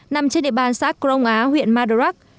nằm trên địa bàn xã crong á huyện madarak